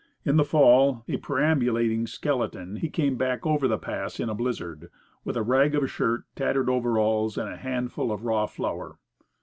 In the fall, a perambulating skeleton, he came back over the Pass in a blizzard, with a rag of shirt, tattered overalls, and a handful of raw flour.